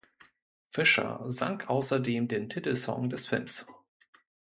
Fisher sang außerdem den Titelsong des Films.